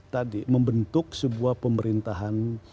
tadi membentuk sebuah pemerintahan